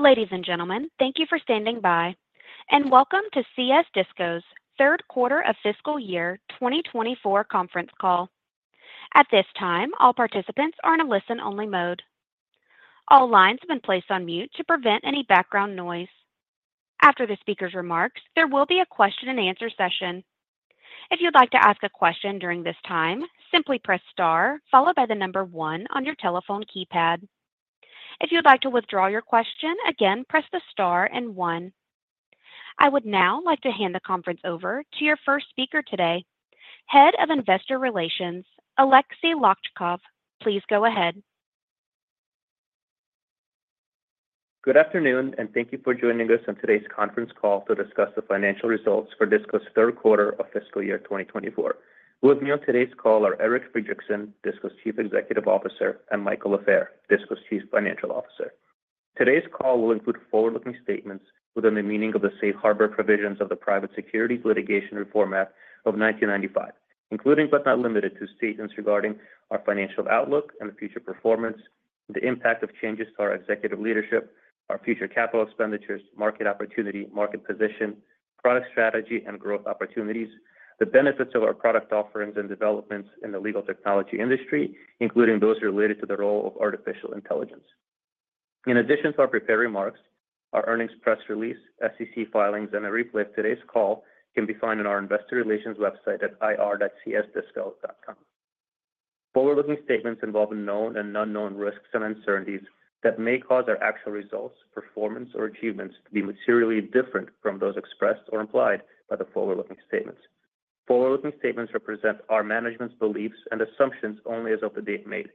Ladies and gentlemen, thank you for standing by, and welcome to CS Disco's third quarter of fiscal year 2024 conference call. At this time, all participants are in a listen-only mode. All lines have been placed on mute to prevent any background noise. After the speaker's remarks, there will be a question-and-answer session. If you'd like to ask a question during this time, simply press star, followed by the number one on your telephone keypad. If you'd like to withdraw your question, again, press the star and one. I would now like to hand the conference over to your first speaker today, Head of Investor Relations, Aleksey Lakchakov. Please go ahead. Good afternoon, and thank you for joining us on today's conference call to discuss the financial results for Disco's third quarter of fiscal year 2024. With me on today's call are Eric Friedrichsen, Disco's Chief Executive Officer, and Michael Lafair, Disco's Chief Financial Officer. Today's call will include forward-looking statements within the meaning of the safe harbor provisions of the Private Securities Litigation Reform Act of 1995, including, but not limited to, statements regarding our financial outlook and the future performance, the impact of changes to our executive leadership, our future capital expenditures, market opportunity, market position, product strategy, and growth opportunities, the benefits of our product offerings and developments in the legal technology industry, including those related to the role of artificial intelligence. In addition to our prepared remarks, our earnings press release, SEC filings, and a replay of today's call can be found on our Investor Relations website at ir.csdisco.com. Forward-looking statements involve known and unknown risks and uncertainties that may cause our actual results, performance, or achievements to be materially different from those expressed or implied by the forward-looking statements. Forward-looking statements represent our management's beliefs and assumptions only as of the date made.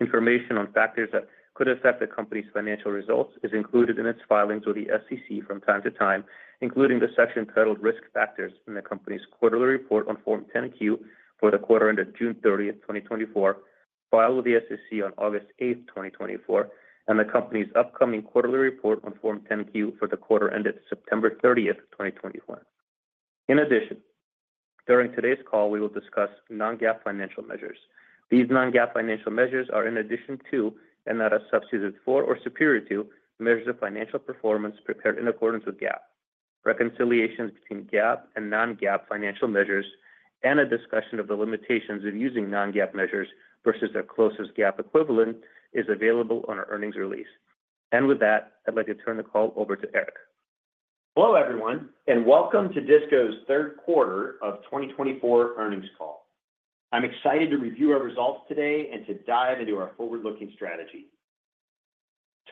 Information on factors that could affect the company's financial results is included in its filings with the SEC from time to time, including the section titled Risk Factors in the company's quarterly report on Form 10-Q for the quarter ended June 30, 2024, filed with the SEC on August 8, 2024, and the company's upcoming quarterly report on Form 10-Q for the quarter ended September 30, 2024. In addition, during today's call, we will discuss non-GAAP financial measures. These non-GAAP financial measures are in addition to and that are substituted for or superior to measures of financial performance prepared in accordance with GAAP. Reconciliations between GAAP and non-GAAP financial measures and a discussion of the limitations of using non-GAAP measures versus their closest GAAP equivalent is available on our earnings release. And with that, I'd like to turn the call over to Eric. Hello, everyone, and welcome to Disco's third quarter of 2024 earnings call. I'm excited to review our results today and to dive into our forward-looking strategy.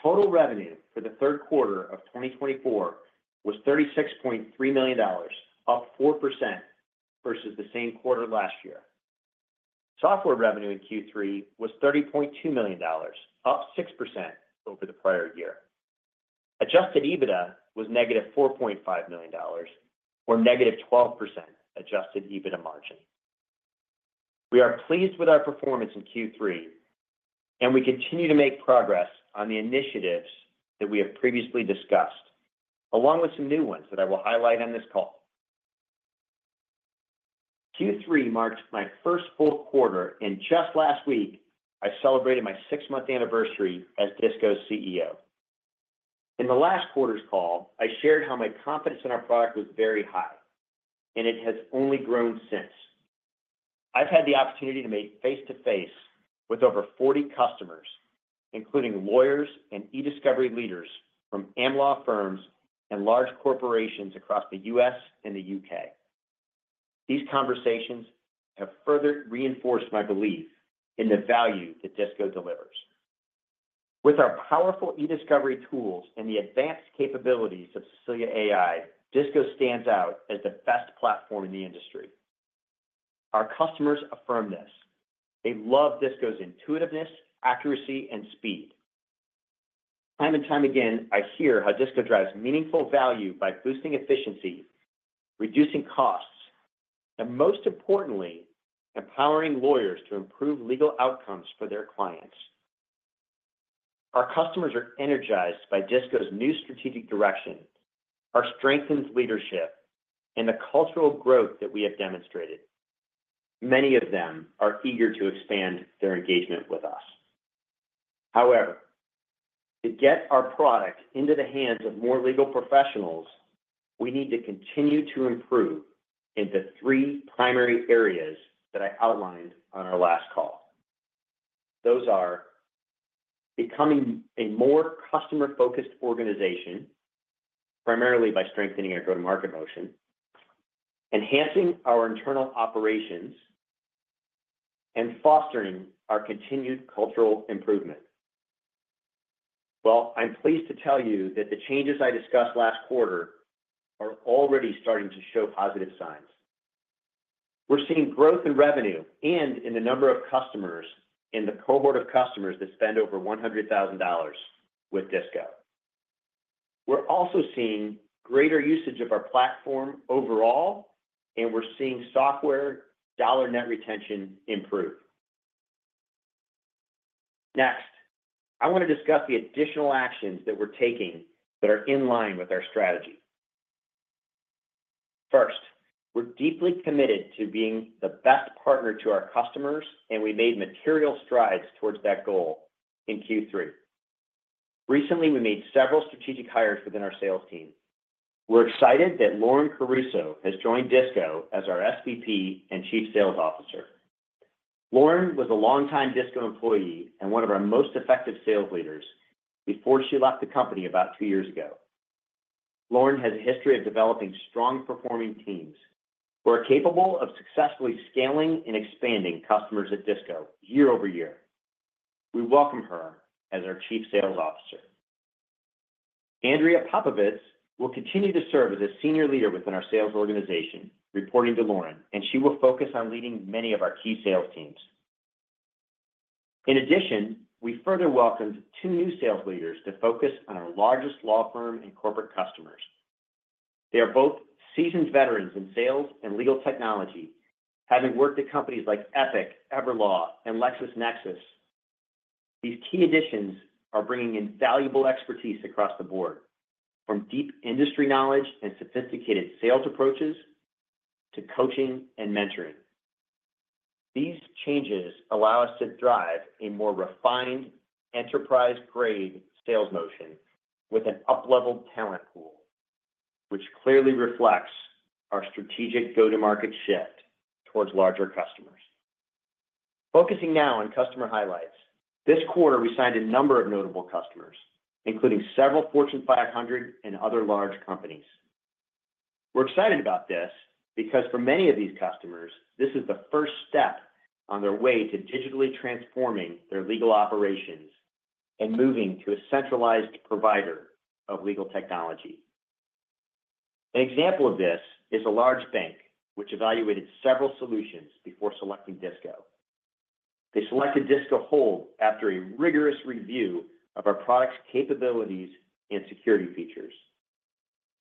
Total revenue for the third quarter of 2024 was $36.3 million, up 4% versus the same quarter last year. Software revenue in Q3 was $30.2 million, up 6% over the prior year. Adjusted EBITDA was -$4.5 million, or -12% Adjusted EBITDA margin. We are pleased with our performance in Q3, and we continue to make progress on the initiatives that we have previously discussed, along with some new ones that I will highlight on this call. Q3 marked my first full quarter, and just last week, I celebrated my six-month anniversary as Disco's CEO. In the last quarter's call, I shared how my confidence in our product was very high, and it has only grown since. I've had the opportunity to meet face-to-face with over 40 customers, including lawyers and e-discovery leaders from Am Law firms and large corporations across the U.S. and the U.K. These conversations have further reinforced my belief in the value that Disco delivers. With our powerful e-discovery tools and the advanced capabilities of Cecilia AI, Disco stands out as the best platform in the industry. Our customers affirm this. They love Disco's intuitiveness, accuracy, and speed. Time and time again, I hear how Disco drives meaningful value by boosting efficiency, reducing costs, and most importantly, empowering lawyers to improve legal outcomes for their clients. Our customers are energized by Disco's new strategic direction, our strengthened leadership, and the cultural growth that we have demonstrated. Many of them are eager to expand their engagement with us. However, to get our product into the hands of more legal professionals, we need to continue to improve in the three primary areas that I outlined on our last call. Those are becoming a more customer-focused organization, primarily by strengthening our go-to-market motion, enhancing our internal operations, and fostering our continued cultural improvement. I'm pleased to tell you that the changes I discussed last quarter are already starting to show positive signs. We're seeing growth in revenue and in the number of customers and the cohort of customers that spend over $100,000 with Disco. We're also seeing greater usage of our platform overall, and we're seeing software dollar net retention improve. Next, I want to discuss the additional actions that we're taking that are in line with our strategy. First, we're deeply committed to being the best partner to our customers, and we made material strides towards that goal in Q3. Recently, we made several strategic hires within our sales team. We're excited that Lauren Caruso has joined Disco as our SVP and Chief Sales Officer. Lauren was a longtime Disco employee and one of our most effective sales leaders before she left the company about two years ago. Lauren has a history of developing strong-performing teams who are capable of successfully scaling and expanding customers at Disco year-over-year. We welcome her as our Chief Sales Officer. Andrea Popovits will continue to serve as a senior leader within our sales organization, reporting to Lauren, and she will focus on leading many of our key sales teams. In addition, we further welcomed two new sales leaders to focus on our largest law firm and corporate customers. They are both seasoned veterans in sales and legal technology, having worked at companies like Epiq, Everlaw, and LexisNexis. These key additions are bringing in valuable expertise across the board, from deep industry knowledge and sophisticated sales approaches to coaching and mentoring. These changes allow us to drive a more refined enterprise-grade sales motion with an up-leveled talent pool, which clearly reflects our strategic go-to-market shift towards larger customers. Focusing now on customer highlights, this quarter, we signed a number of notable customers, including several Fortune 500 and other large companies. We're excited about this because, for many of these customers, this is the first step on their way to digitally transforming their legal operations and moving to a centralized provider of legal technology. An example of this is a large bank, which evaluated several solutions before selecting Disco. They selected Disco Hold after a rigorous review of our product's capabilities and security features,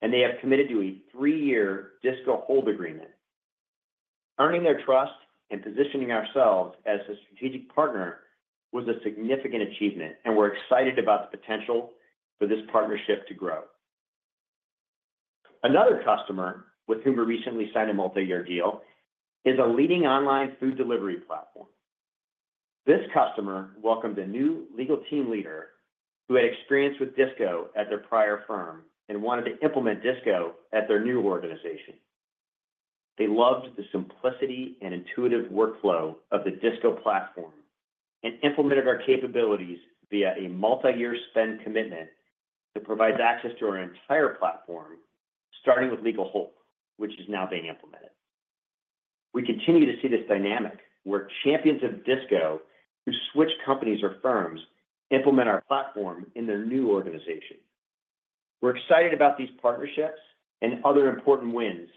and they have committed to a three-year Disco Hold agreement. Earning their trust and positioning ourselves as a strategic partner was a significant achievement, and we're excited about the potential for this partnership to grow. Another customer with whom we recently signed a multi-year deal is a leading online food delivery platform. This customer welcomed a new legal team leader who had experience with Disco at their prior firm and wanted to implement Disco at their new organization. They loved the simplicity and intuitive workflow of the Disco platform and implemented our capabilities via a multi-year spend commitment that provides access to our entire platform, starting with Legal Hold, which is now being implemented. We continue to see this dynamic where champions of Disco who switch companies or firms implement our platform in their new organization. We're excited about these partnerships and other important wins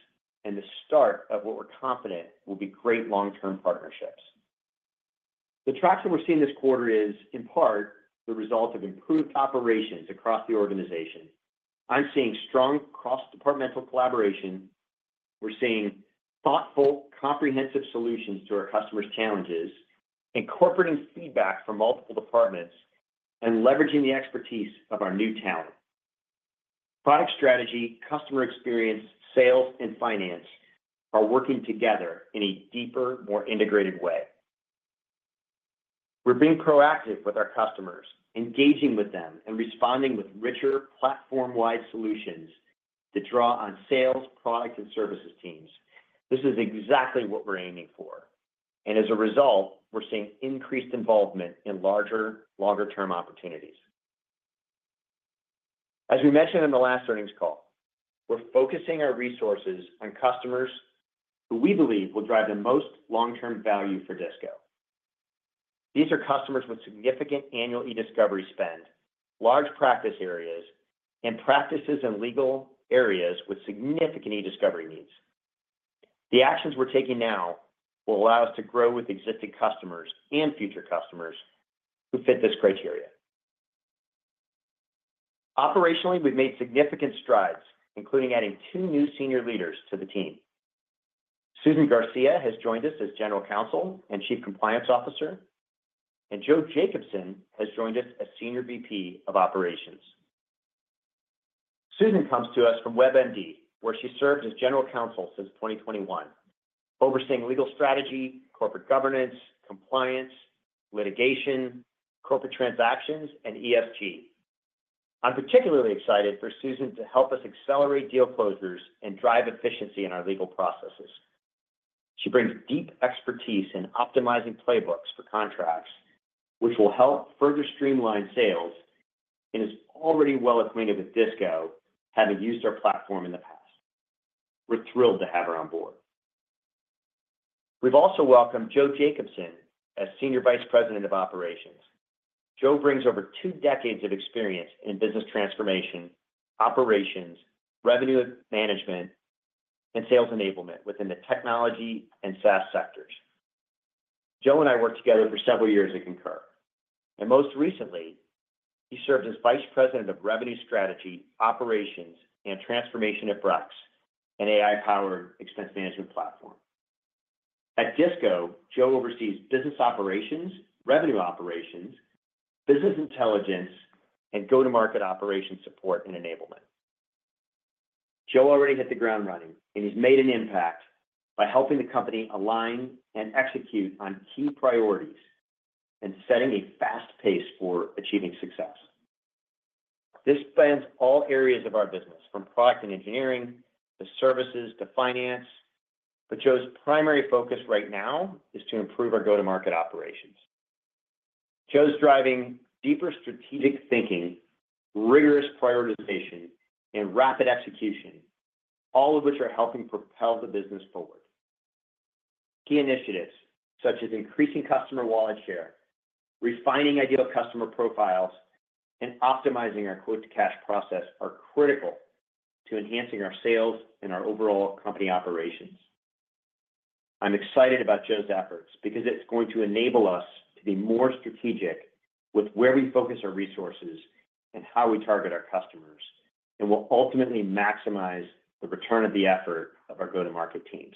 and the start of what we're confident will be great long-term partnerships. The traction we're seeing this quarter is, in part, the result of improved operations across the organization. I'm seeing strong cross-departmental collaboration. We're seeing thoughtful, comprehensive solutions to our customers' challenges, incorporating feedback from multiple departments, and leveraging the expertise of our new talent. Product strategy, customer experience, sales, and finance are working together in a deeper, more integrated way. We're being proactive with our customers, engaging with them, and responding with richer platform-wide solutions that draw on sales, product, and services teams. This is exactly what we're aiming for. And as a result, we're seeing increased involvement in larger, longer-term opportunities. As we mentioned in the last earnings call, we're focusing our resources on customers who we believe will drive the most long-term value for Disco. These are customers with significant annual E-Discovery spend, large practice areas, and practices in legal areas with significant E-Discovery needs. The actions we're taking now will allow us to grow with existing customers and future customers who fit this criteria. Operationally, we've made significant strides, including adding two new senior leaders to the team. Susan Garcia has joined us as General Counsel and Chief Compliance Officer, and Joe Jacobson has joined us as Senior VP of Operations. Susan comes to us from WebMD, where she served as General Counsel since 2021, overseeing legal strategy, corporate governance, compliance, litigation, corporate transactions, and ESG. I'm particularly excited for Susan to help us accelerate deal closures and drive efficiency in our legal processes. She brings deep expertise in optimizing playbooks for contracts, which will help further streamline sales and is already well acquainted with Disco, having used our platform in the past. We're thrilled to have her on board. We've also welcomed Joe Jacobson as Senior Vice President of Operations. Joe brings over two decades of experience in business transformation, operations, revenue management, and sales enablement within the technology and SaaS sectors. Joe and I worked together for several years at Concur, and most recently, he served as Vice President of Revenue Strategy, Operations, and Transformation at Brex, an AI-powered expense management platform. At Disco, Joe oversees business operations, revenue operations, business intelligence, and go-to-market operation support and enablement. Joe already hit the ground running, and he's made an impact by helping the company align and execute on key priorities and setting a fast pace for achieving success. This spans all areas of our business, from product and engineering to services to finance, but Joe's primary focus right now is to improve our go-to-market operations. Joe's driving deeper strategic thinking, rigorous prioritization, and rapid execution, all of which are helping propel the business forward. Key initiatives such as increasing customer wallet share, refining ideal customer profiles, and optimizing our quote-to-cash process are critical to enhancing our sales and our overall company operations. I'm excited about Joe's efforts because it's going to enable us to be more strategic with where we focus our resources and how we target our customers, and will ultimately maximize the return of the effort of our go-to-market teams.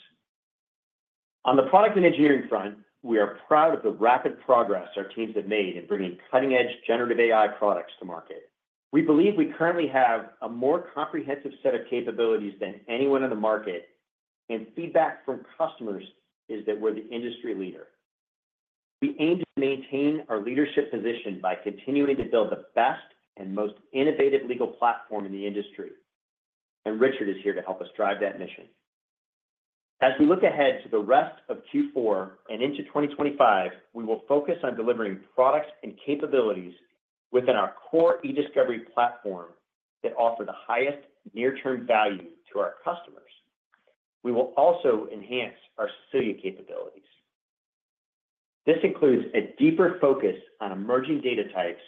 On the product and engineering front, we are proud of the rapid progress our teams have made in bringing cutting-edge generative AI products to market. We believe we currently have a more comprehensive set of capabilities than anyone in the market, and feedback from customers is that we're the industry leader. We aim to maintain our leadership position by continuing to build the best and most innovative legal platform in the industry, and Richard is here to help us drive that mission. As we look ahead to the rest of Q4 and into 2025, we will focus on delivering products and capabilities within our core e-discovery platform that offer the highest near-term value to our customers. We will also enhance our Cecilia capabilities. This includes a deeper focus on emerging data types,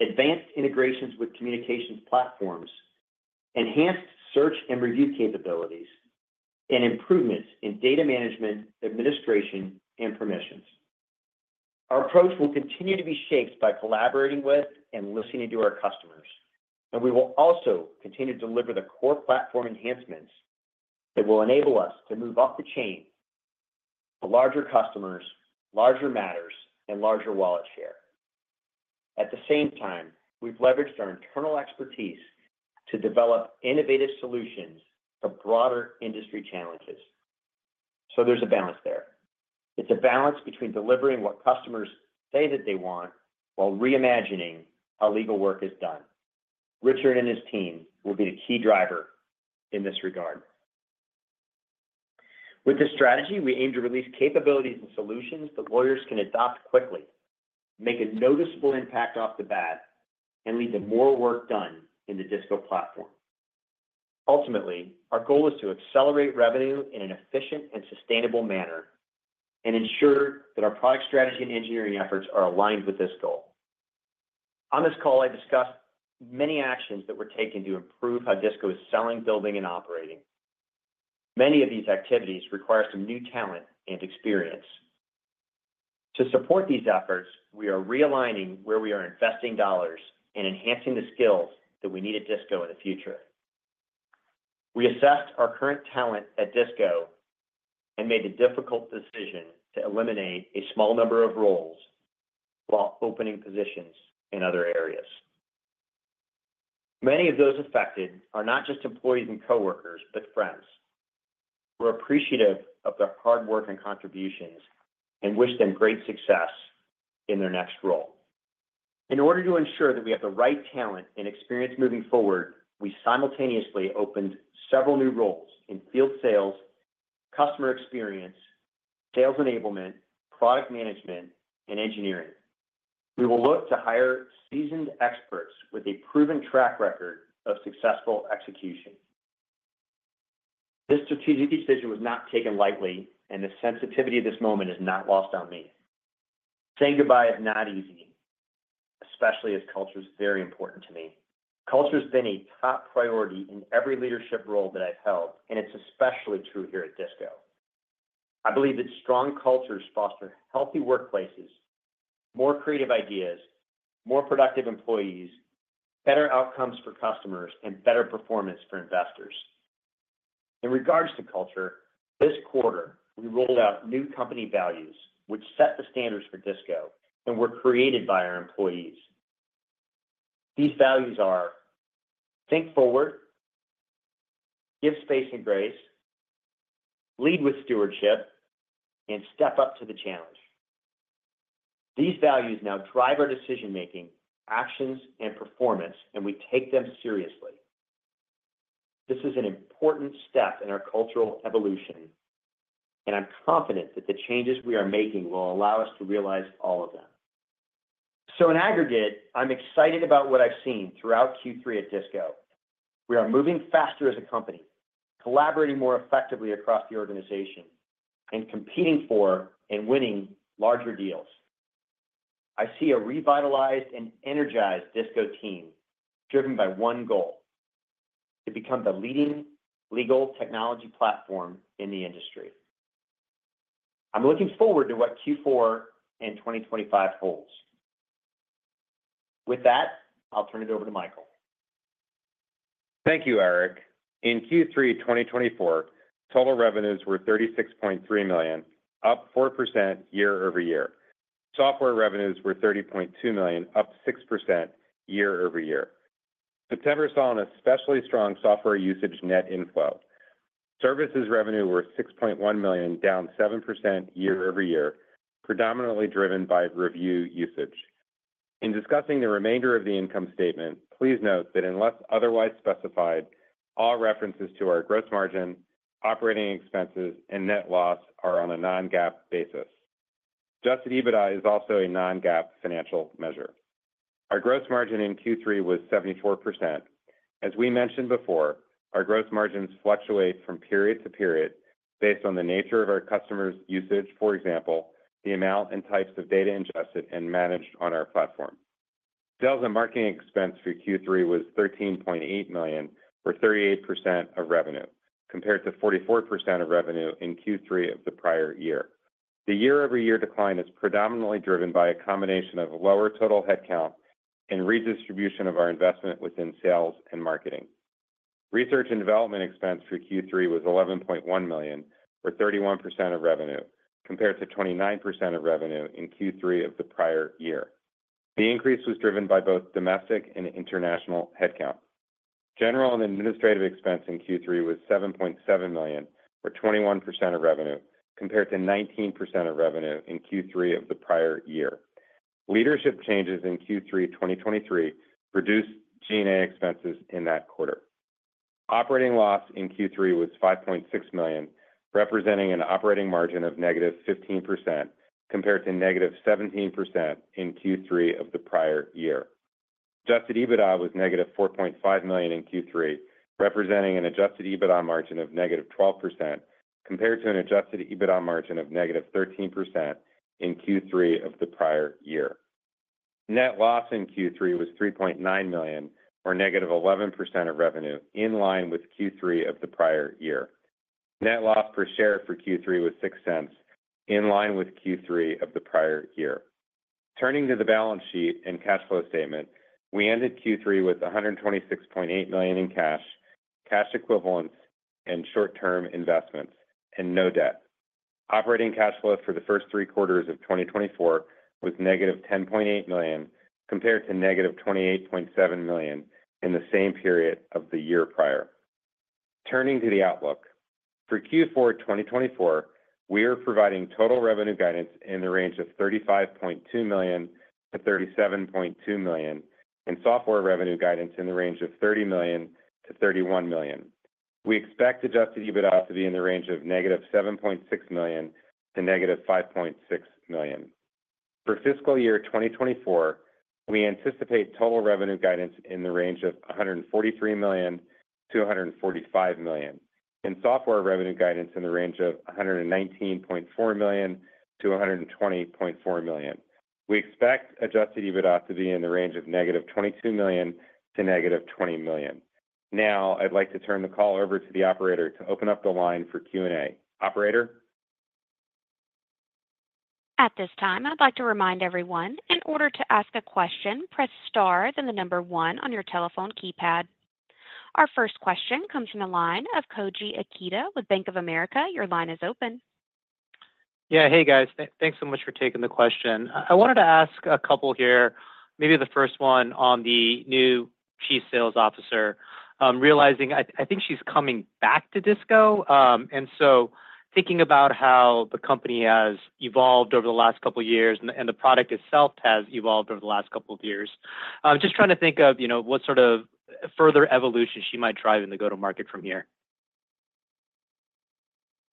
advanced integrations with communications platforms, enhanced search and review capabilities, and improvements in data management, administration, and permissions. Our approach will continue to be shaped by collaborating with and listening to our customers, and we will also continue to deliver the core platform enhancements that will enable us to move up the chain to larger customers, larger matters, and larger wallet share. At the same time, we've leveraged our internal expertise to develop innovative solutions for broader industry challenges. So there's a balance there. It's a balance between delivering what customers say that they want while reimagining how legal work is done. Richard and his team will be the key driver in this regard. With this strategy, we aim to release capabilities and solutions that lawyers can adopt quickly, make a noticeable impact off the bat, and lead to more work done in the Disco platform. Ultimately, our goal is to accelerate revenue in an efficient and sustainable manner and ensure that our product strategy and engineering efforts are aligned with this goal. On this call, I discussed many actions that were taken to improve how Disco is selling, building, and operating. Many of these activities require some new talent and experience. To support these efforts, we are realigning where we are investing dollars and enhancing the skills that we need at Disco in the future. We assessed our current talent at Disco and made the difficult decision to eliminate a small number of roles while opening positions in other areas. Many of those affected are not just employees and coworkers but friends. We're appreciative of their hard work and contributions and wish them great success in their next role. In order to ensure that we have the right talent and experience moving forward, we simultaneously opened several new roles in field sales, customer experience, sales enablement, product management, and engineering. We will look to hire seasoned experts with a proven track record of successful execution. This strategic decision was not taken lightly, and the sensitivity of this moment is not lost on me. Saying goodbye is not easy, especially as culture is very important to me. Culture has been a top priority in every leadership role that I've held, and it's especially true here at Disco. I believe that strong cultures foster healthy workplaces, more creative ideas, more productive employees, better outcomes for customers, and better performance for investors. In regards to culture, this quarter, we rolled out new company values, which set the standards for Disco, and were created by our employees. These values are Think Forward, Give Space and Grace, Lead With Stewardship, and Step Up to the Challenge. These values now drive our decision-making, actions, and performance, and we take them seriously. This is an important step in our cultural evolution, and I'm confident that the changes we are making will allow us to realize all of them. So in aggregate, I'm excited about what I've seen throughout Q3 at Disco. We are moving faster as a company, collaborating more effectively across the organization, and competing for and winning larger deals. I see a revitalized and energized Disco team driven by one goal: to become the leading legal technology platform in the industry. I'm looking forward to what Q4 and 2025 holds. With that, I'll turn it over to Michael. Thank you, Eric. In Q3 2024, total revenues were $36.3 million, up 4% year-over-year. Software revenues were $30.2 million, up 6% year-over-year. September saw an especially strong software usage net inflow. Services revenue were $6.1 million, down 7% year-over-year, predominantly driven by review usage. In discussing the remainder of the income statement, please note that unless otherwise specified, all references to our gross margin, operating expenses, and net loss are on a non-GAAP basis. Adjusted EBITDA is also a non-GAAP financial measure. Our gross margin in Q3 was 74%. As we mentioned before, our gross margins fluctuate from period to period based on the nature of our customers' usage, for example, the amount and types of data ingested and managed on our platform. Sales and marketing expense for Q3 was $13.8 million, or 38% of revenue, compared to 44% of revenue in Q3 of the prior year. The year-over-year decline is predominantly driven by a combination of lower total headcount and redistribution of our investment within sales and marketing. Research and development expense for Q3 was $11.1 million, or 31% of revenue, compared to 29% of revenue in Q3 of the prior year. The increase was driven by both domestic and international headcount. General and administrative expense in Q3 was $7.7 million, or 21% of revenue, compared to 19% of revenue in Q3 of the prior year. Leadership changes in Q3 2023 reduced G&A expenses in that quarter. Operating loss in Q3 was $5.6 million, representing an operating margin of negative 15% compared to -17% in Q3 of the prior year. Adjusted EBITDA was -$4.5 million in Q3, representing an Adjusted EBITDA margin of negative 12% compared to an Adjusted EBITDA margin of -13% in Q3 of the prior year. Net loss in Q3 was $3.9 million, or -11% of revenue, in line with Q3 of the prior year. Net loss per share for Q3 was $0.06, in line with Q3 of the prior year. Turning to the balance sheet and cash flow statement, we ended Q3 with $126.8 million in cash, cash equivalents, and short-term investments, and no debt. Operating cash flow for the first three quarters of 2024 was -$10.8 million, compared to -$28.7 million in the same period of the year prior. Turning to the outlook, for Q4 2024, we are providing total revenue guidance in the range of $35.2 million-$37.2 million and software revenue guidance in the range of $30 million-$31 million. We expect Adjusted EBITDA to be in the range of -$7.6 million to -$5.6 million. For fiscal year 2024, we anticipate total revenue guidance in the range of $143 million-$145 million and software revenue guidance in the range of $119.4 million-$120.4 million. We expect Adjusted EBITDA to be in the range of -$22 million to -$20 million. Now, I'd like to turn the call over to the operator to open up the line for Q&A. Operator? At this time, I'd like to remind everyone, in order to ask a question, press star then the number one on your telephone keypad. Our first question comes from the line of Koji Ikeda with Bank of America. Your line is open. Yeah, hey, guys. Thanks so much for taking the question. I wanted to ask a couple here, maybe the first one on the new chief sales officer. Realizing I think she's coming back to Disco, and so thinking about how the company has evolved over the last couple of years and the product itself has evolved over the last couple of years. Just trying to think of what sort of further evolution she might drive in the go-to-market from here.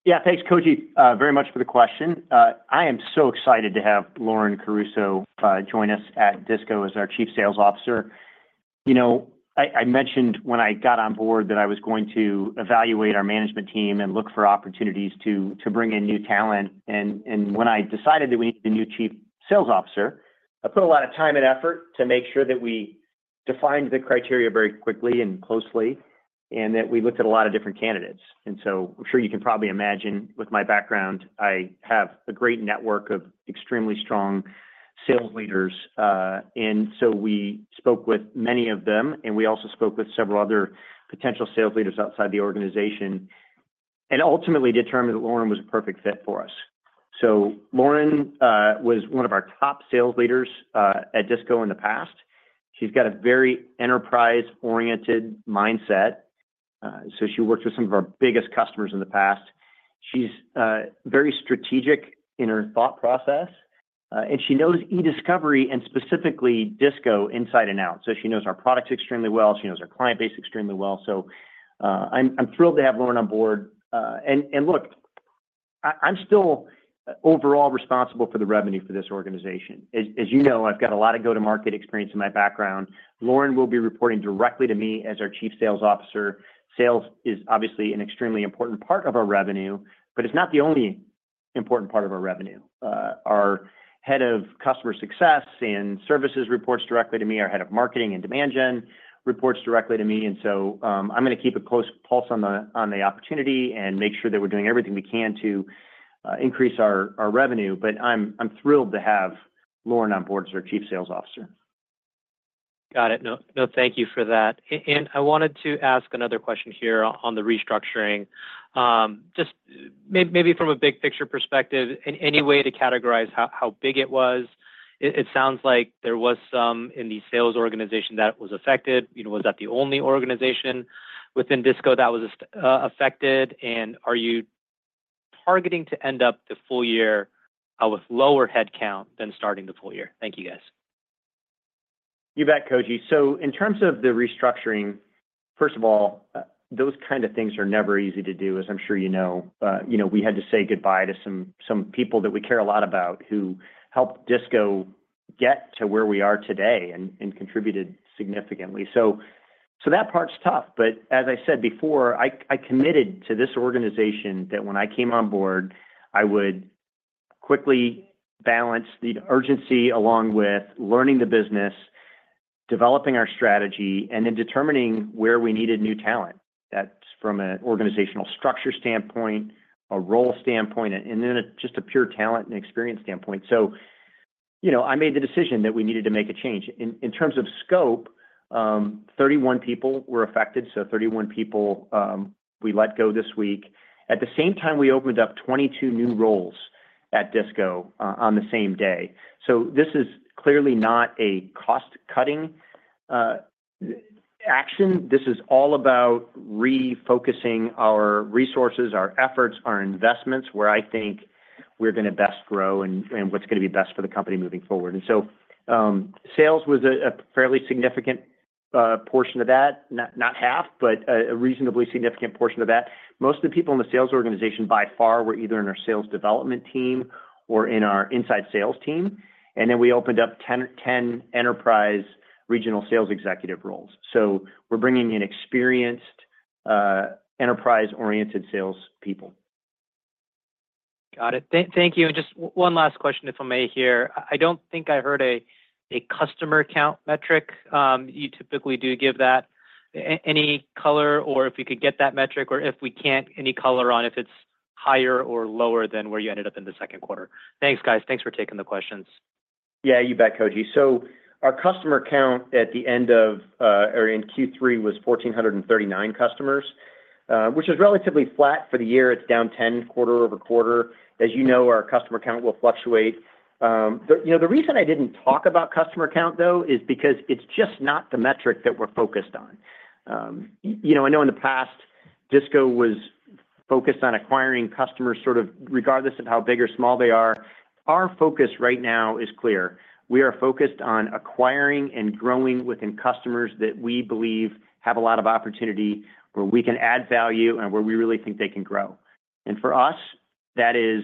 Yeah, thanks, Koji, very much for the question. I am so excited to have Lauren Caruso join us at Disco as our Chief Sales Officer. I mentioned when I got on board that I was going to evaluate our management team and look for opportunities to bring in new talent and when I decided that we needed a new Chief Sales Officer, I put a lot of time and effort to make sure that we defined the criteria very quickly and closely and that we looked at a lot of different candidates. And so I'm sure you can probably imagine, with my background, I have a great network of extremely strong sales leaders. And so we spoke with many of them, and we also spoke with several other potential sales leaders outside the organization, and ultimately determined that Lauren was a perfect fit for us. So Lauren was one of our top sales leaders at Disco in the past. She's got a very enterprise-oriented mindset, so she worked with some of our biggest customers in the past. She's very strategic in her thought process, and she knows e-discovery and specifically Disco inside and out. So she knows our products extremely well. She knows our client base extremely well. So I'm thrilled to have Lauren on board. And look, I'm still overall responsible for the revenue for this organization. As you know, I've got a lot of go-to-market experience in my background. Lauren will be reporting directly to me as our Chief Sales Officer. Sales is obviously an extremely important part of our revenue, but it's not the only important part of our revenue. Our Head of Customer Success and services reports directly to me. Our Head of Marketing and demand gen reports directly to me. And so I'm going to keep a close pulse on the opportunity and make sure that we're doing everything we can to increase our revenue. But I'm thrilled to have Lauren on board as our Chief Sales Officer. Got it. No, thank you for that. And I wanted to ask another question here on the restructuring. Just maybe from a big-picture perspective, in any way to categorize how big it was? It sounds like there was some in the sales organization that was affected. Was that the only organization within Disco that was affected? Are you targeting to end of the full year with lower headcount than starting of the full year? Thank you, guys. You bet, Koji. So in terms of the restructuring, first of all, those kinds of things are never easy to do, as I'm sure you know. We had to say goodbye to some people that we care a lot about who helped Disco get to where we are today and contributed significantly. So that part's tough. But as I said before, I committed to this organization that when I came on board, I would quickly balance the urgency along with learning the business, developing our strategy, and then determining where we needed new talent. That's from an organizational structure standpoint, a role standpoint, and then just a pure talent and experience standpoint. So I made the decision that we needed to make a change. In terms of scope, 31 people were affected, so 31 people we let go this week. At the same time, we opened up 22 new roles at Disco on the same day, so this is clearly not a cost-cutting action. This is all about refocusing our resources, our efforts, our investments, where I think we're going to best grow and what's going to be best for the company moving forward, and so sales was a fairly significant portion of that, not half, but a reasonably significant portion of that. Most of the people in the sales organization by far were either in our sales development team or in our inside sales team, and then we opened up 10 enterprise regional sales executive roles, so we're bringing in experienced enterprise-oriented salespeople. Got it. Thank you, and just one last question, if I may here. I don't think I heard a customer count metric. You typically do give that. Any color or if we could get that metric, or if we can't, any color on if it's higher or lower than where you ended up in the second quarter. Thanks, guys. Thanks for taking the questions. Yeah, you bet, Koji. So our customer count at the end of or in Q3 was 1,439 customers, which is relatively flat for the year. It's down 10 quarter-over-quarter. As you know, our customer count will fluctuate. The reason I didn't talk about customer count, though, is because it's just not the metric that we're focused on. I know in the past, Disco was focused on acquiring customers sort of regardless of how big or small they are. Our focus right now is clear. We are focused on acquiring and growing within customers that we believe have a lot of opportunity where we can add value and where we really think they can grow. And for us, that is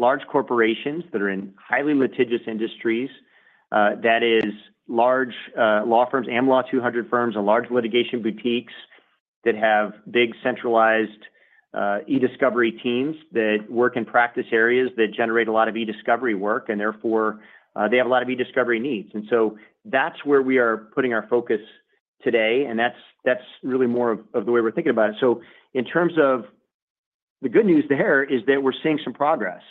large corporations that are in highly litigious industries. That is large law firms, Am Law 200 firms, and large litigation boutiques that have big centralized e-discovery teams that work in practice areas that generate a lot of e-discovery work, and therefore, they have a lot of e-discovery needs. And so that's where we are putting our focus today, and that's really more of the way we're thinking about it. So in terms of the good news there is that we're seeing some progress.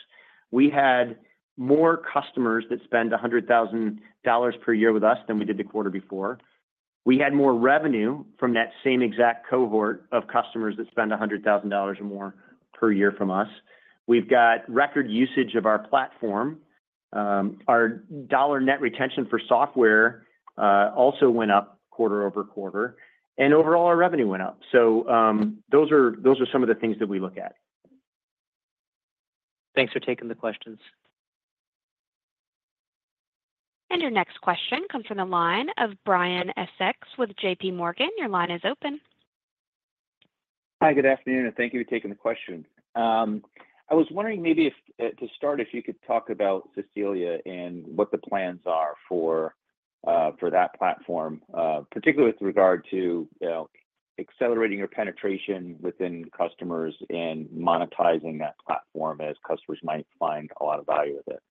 We had more customers that spend $100,000 per year with us than we did the quarter before. We had more revenue from that same exact cohort of customers that spend $100,000 or more per year from us. We've got record usage of our platform. Our dollar net retention for software also went up quarter-over-quarter. And overall, our revenue went up. So those are some of the things that we look at. Thanks for taking the questions. And your next question comes from the line of Brian Essex with JPMorgan. Your line is open. Hi, good afternoon, and thank you for taking the question. I was wondering maybe to start, if you could talk about Cecilia and what the plans are for that platform, particularly with regard to accelerating your penetration within customers and monetizing that platform as customers might find a lot of value with it.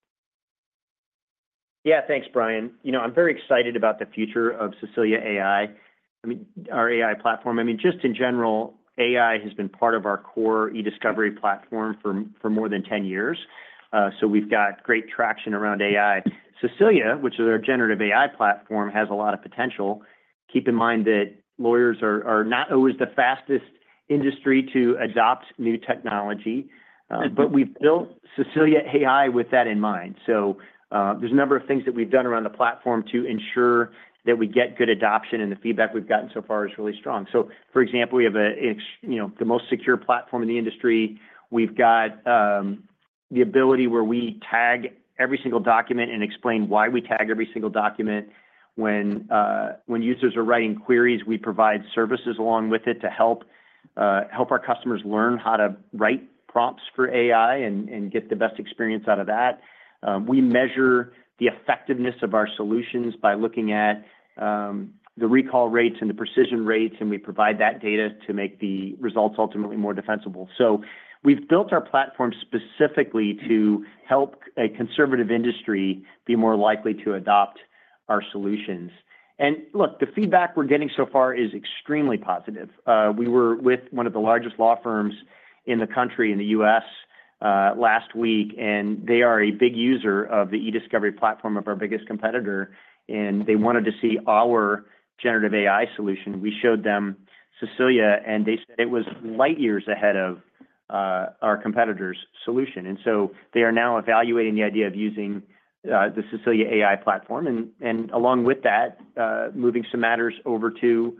Yeah, thanks, Brian. I'm very excited about the future of Cecilia AI, our AI platform. I mean, just in general, AI has been part of our core e-discovery platform for more than 10 years. So we've got great traction around AI. Cecilia, which is our generative AI platform, has a lot of potential. Keep in mind that lawyers are not always the fastest industry to adopt new technology, but we've built Cecilia AI with that in mind. So there's a number of things that we've done around the platform to ensure that we get good adoption, and the feedback we've gotten so far is really strong. So, for example, we have the most secure platform in the industry. We've got the ability where we tag every single document and explain why we tag every single document. When users are writing queries, we provide services along with it to help our customers learn how to write prompts for AI and get the best experience out of that. We measure the effectiveness of our solutions by looking at the recall rates and the precision rates, and we provide that data to make the results ultimately more defensible, so we've built our platform specifically to help a conservative industry be more likely to adopt our solutions, and look, the feedback we're getting so far is extremely positive. We were with one of the largest law firms in the country in the US last week, and they are a big user of the e-discovery platform of our biggest competitor, and they wanted to see our generative AI solution. We showed them Cecilia, and they said it was light years ahead of our competitor's solution. And so they are now evaluating the idea of using the Cecilia AI platform and, along with that, moving some matters over to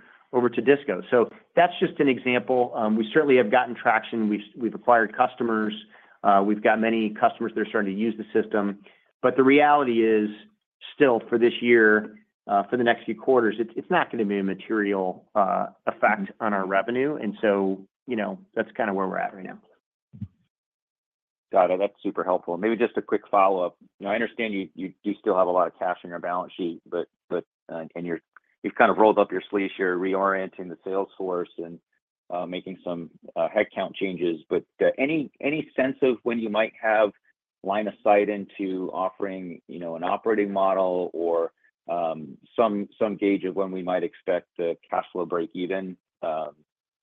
Disco. So that's just an example. We certainly have gotten traction. We've acquired customers. We've got many customers that are starting to use the system. But the reality is still, for this year, for the next few quarters, it's not going to be a material effect on our revenue. And so that's kind of where we're at right now. Got it. That's super helpful. Maybe just a quick follow-up. I understand you do still have a lot of cash on your balance sheet, and you've kind of rolled up your sleeves here reorienting the salesforce and making some headcount changes. But any sense of when you might have line of sight into offering an operating model or some gauge of when we might expect the cash flow break even,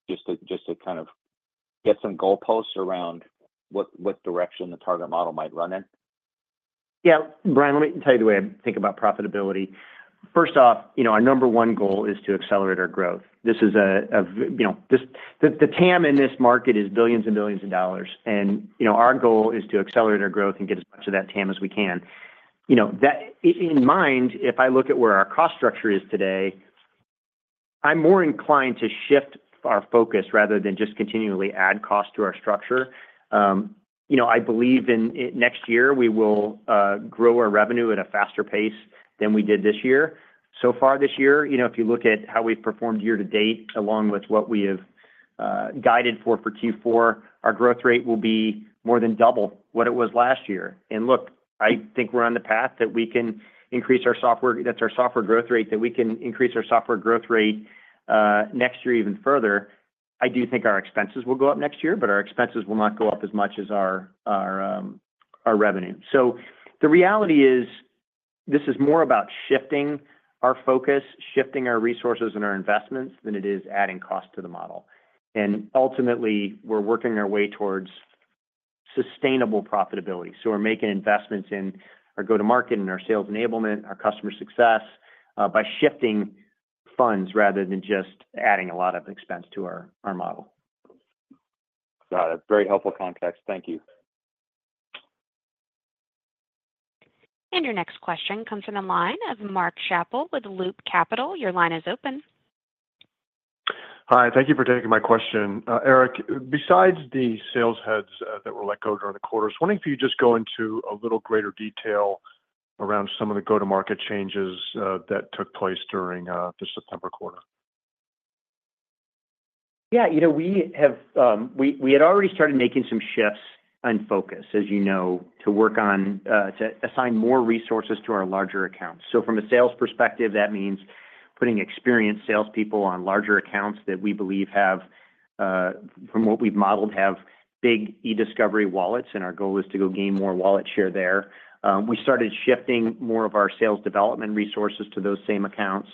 just to kind of get some goalposts around what direction the target model might run in? Yeah. Brian, let me tell you the way I think about profitability. First off, our number one goal is to accelerate our growth. This is a—the TAM in this market is billions and billions of dollars. And our goal is to accelerate our growth and get as much of that TAM as we can. In mind, if I look at where our cost structure is today, I'm more inclined to shift our focus rather than just continually add cost to our structure. I believe in next year, we will grow our revenue at a faster pace than we did this year. So far this year, if you look at how we've performed year to date along with what we have guided for Q4, our growth rate will be more than double what it was last year, and look, I think we're on the path that we can increase our software, that's our software growth rate, that we can increase our software growth rate next year even further. I do think our expenses will go up next year, but our expenses will not go up as much as our revenue, so the reality is this is more about shifting our focus, shifting our resources and our investments than it is adding cost to the model. And ultimately, we're working our way towards sustainable profitability, so we're making investments in our go-to-market and our sales enablement, our customer success by shifting funds rather than just adding a lot of expense to our model. Got it. Very helpful context. Thank you. And your next question comes from the line of Mark Schappel with Loop Capital. Your line is open. Hi. Thank you for taking my question. Eric, besides the sales heads that were let go during the quarter, I was wondering if you could just go into a little greater detail around some of the go-to-market changes that took place during the September quarter. Yeah. We had already started making some shifts in focus, as you know, to work on to assign more resources to our larger accounts. So from a sales perspective, that means putting experienced salespeople on larger accounts that we believe have, from what we've modeled, big E-Discovery wallets, and our goal is to go gain more wallet share there. We started shifting more of our sales development resources to those same accounts.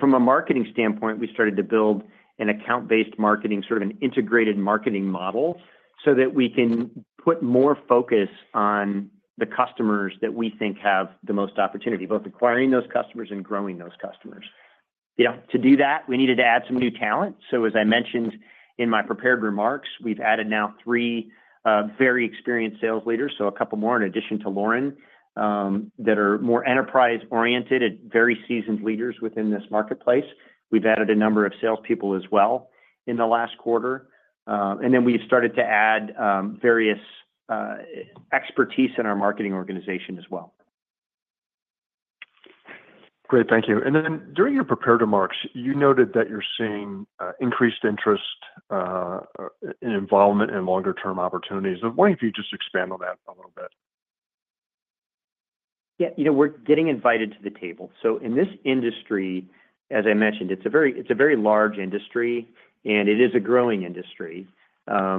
From a marketing standpoint, we started to build an account-based marketing, sort of an integrated marketing model so that we can put more focus on the customers that we think have the most opportunity, both acquiring those customers and growing those customers. To do that, we needed to add some new talent. So, as I mentioned in my prepared remarks, we've added now three very experienced sales leaders, so a couple more in addition to Lauren, that are more enterprise-oriented and very seasoned leaders within this marketplace. We've added a number of salespeople as well in the last quarter. And then we've started to add various experts in our marketing organization as well. Great. Thank you. Then during your prepared remarks, you noted that you're seeing increased interest and involvement in longer-term opportunities. I'm wondering if you could just expand on that a little bit. Yeah. We're getting invited to the table. So in this industry, as I mentioned, it's a very large industry, and it is a growing industry. We're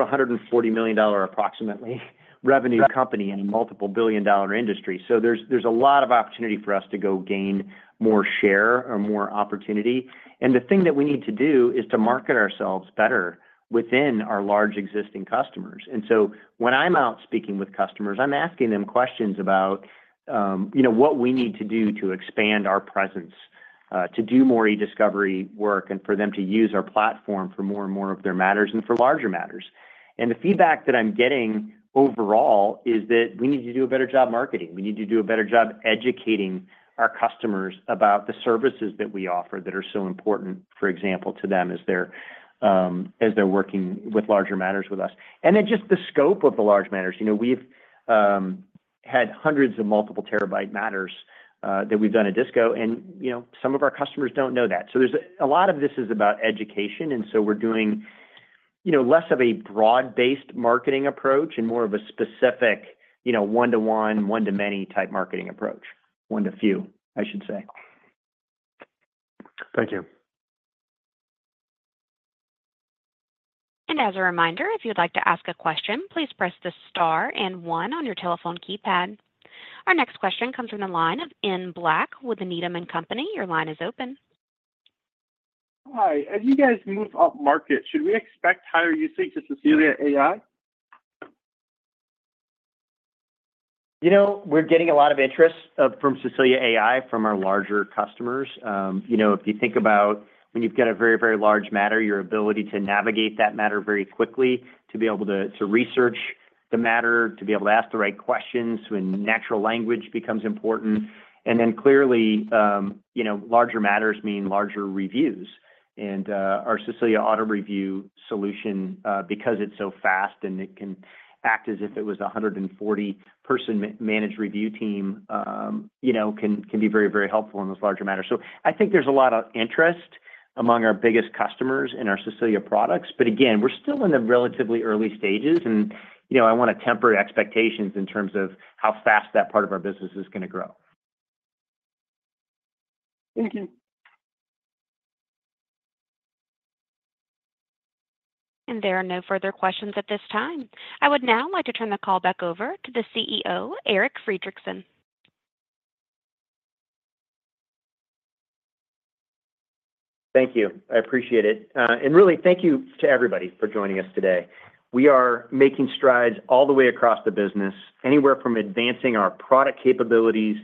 a $140 million approximately revenue company in a multiple billion-dollar industry. So there's a lot of opportunity for us to go gain more share or more opportunity. And the thing that we need to do is to market ourselves better within our large existing customers. And so when I'm out speaking with customers, I'm asking them questions about what we need to do to expand our presence, to do more e-discovery work, and for them to use our platform for more and more of their matters and for larger matters. And the feedback that I'm getting overall is that we need to do a better job marketing. We need to do a better job educating our customers about the services that we offer that are so important, for example, to them as they're working with larger matters with us, and then just the scope of the large matters. We've had hundreds of multiple terabyte matters that we've done at Disco, and some of our customers don't know that, so a lot of this is about education, and so we're doing less of a broad-based marketing approach and more of a specific one-to-one, one-to-many type marketing approach, one-to-few, I should say. Thank you. And as a reminder, if you'd like to ask a question, please press the star and one on your telephone keypad. Our next question comes from the line of Ian Black with Needham & Company. Your line is open. Hi. As you guys move up market, should we expect higher usage of Cecilia AI? We're getting a lot of interest in Cecilia AI from our larger customers. If you think about when you've got a very, very large matter, your ability to navigate that matter very quickly, to be able to research the matter, to be able to ask the right questions when natural language becomes important. And then clearly, larger matters mean larger reviews. And our Cecilia Auto Review solution, because it's so fast and it can act as if it was a 140-person managed review team, can be very, very helpful in those larger matters. So I think there's a lot of interest among our biggest customers in our Cecilia products. But again, we're still in the relatively early stages, and I want to temper expectations in terms of how fast that part of our business is going to grow. Thank you. And there are no further questions at this time. I would now like to turn the call back over to the CEO, Eric Friedrichsen. Thank you. I appreciate it. And really, thank you to everybody for joining us today. We are making strides all the way across the business, anywhere from advancing our product capabilities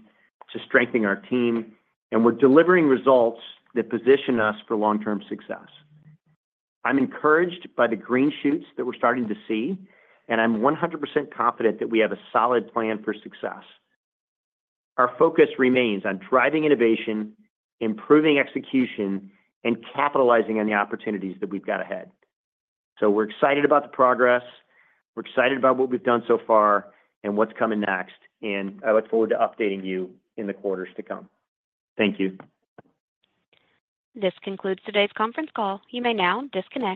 to strengthening our team, and we're delivering results that position us for long-term success. I'm encouraged by the green shoots that we're starting to see, and I'm 100% confident that we have a solid plan for success. Our focus remains on driving innovation, improving execution, and capitalizing on the opportunities that we've got ahead. So we're excited about the progress. We're excited about what we've done so far and what's coming next. And I look forward to updating you in the quarters to come. Thank you. This concludes today's conference call. You may now disconnect.